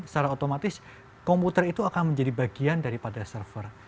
secara otomatis komputer itu akan menjadi bagian daripada server